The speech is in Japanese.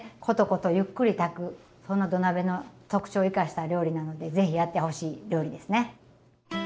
コトコトゆっくり炊くそんな土鍋の特徴を生かした料理なのでぜひやってほしい料理ですね。